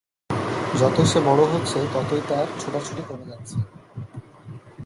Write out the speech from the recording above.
যতই সে বড় হচ্ছে, ততই তার ছোটাছুটি কমে যাচ্ছে।